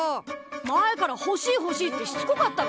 前から「ほしいほしい」ってしつこかったろ。